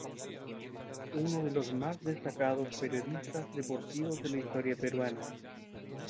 Fue uno de los más destacados periodistas deportivos de la historia peruana.